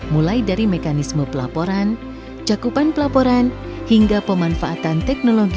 mulai dari mekanisme pelaporan cakupan pelaporan hingga pemanfaatan teknologi